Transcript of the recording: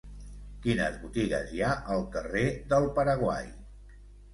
Quines botigues hi ha al carrer del Paraguai?